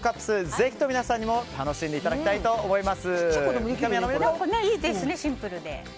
ぜひとも皆さんにも楽しんでいただきたいと思います。